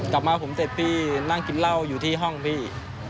กลับมาผมเสร็จพี่นั่งกินเหล้าอยู่ที่ห้องพี่